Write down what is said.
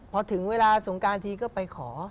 พอถึงเวลาสงการทีก็ไปขอ